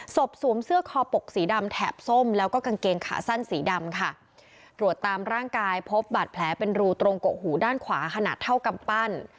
สวมเสื้อคอปกสีดำแถบส้มแล้วก็กางเกงขาสั้นสีดำค่ะตรวจตามร่างกายพบบาดแผลเป็นรูตรงกกหูด้านขวาขนาดเท่ากำปั้น